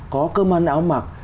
có cơm ăn áo mặc